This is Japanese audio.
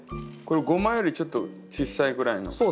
これごまよりちょっと小さいぐらいの。